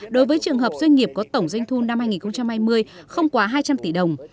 đối với trường hợp doanh nghiệp có tổng doanh thu năm hai nghìn hai mươi không quá hai trăm linh tỷ đồng